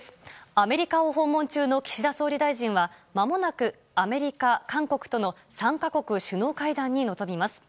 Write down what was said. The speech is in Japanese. アメリカを訪問中の岸田総理大臣はまもなくアメリカ、韓国との３か国首脳会談に臨みます。